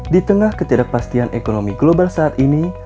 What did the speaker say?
di tengah ketidakpastian ekonomi global saat ini